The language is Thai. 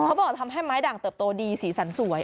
เขาบอกทำให้ไม้ด่างเติบโตดีสีสันสวย